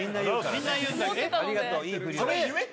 みんな言うんだえっ